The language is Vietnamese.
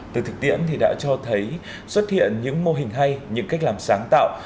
từ thực tiễn thì đã cho thấy xuất hiện những mô hình hay những cách làm sáng tạo